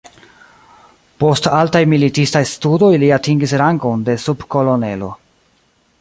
Post altaj militistaj studoj li atingis rangon de subkolonelo.